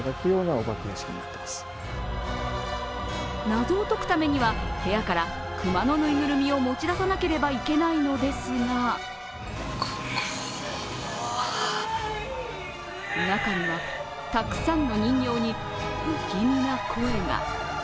謎を解くためには部屋から熊のぬいぐるみを持ち出さなければいけないのですが中にはたくさんの人形に不気味な声が。